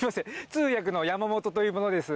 通訳の山本という者です。